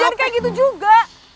iya jangan kayak gitu juga